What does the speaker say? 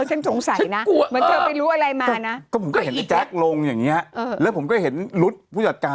เออฉันสงสัยนะ